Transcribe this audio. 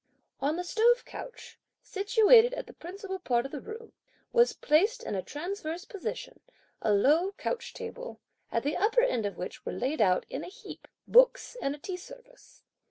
On the stove couch, situated at the principal part of the room, was placed, in a transverse position, a low couch table, at the upper end of which were laid out, in a heap, books and a tea service.